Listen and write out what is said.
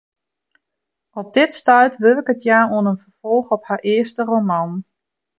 Op dit stuit wurket hja oan in ferfolch op har earste roman.